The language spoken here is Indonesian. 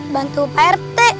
bantu pak rt